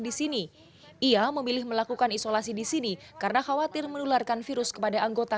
disini ia memilih melakukan isolasi disini karena khawatir mendularkan virus kepada anggota